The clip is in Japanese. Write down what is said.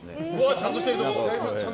ちゃんとしてる。